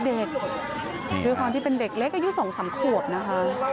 เพราะว่าความที่เป็นเด็กเล็กอายุ๒๓ขวดนะฮะ